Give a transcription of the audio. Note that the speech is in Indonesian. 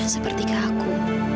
seperti ke aku